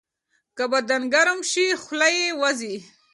که بدن ګرم شي، خوله یې وځي.